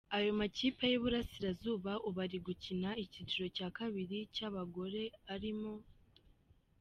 Ayo makipe y’Iburasirazuba ubu ari gukina icyiciro cya kabir cy’abagore arimo.